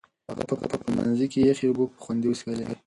هغه په پخلنځي کې یخې اوبه په خوند وڅښلې.